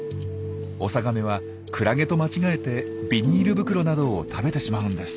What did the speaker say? オサガメはクラゲと間違えてビニール袋などを食べてしまうんです。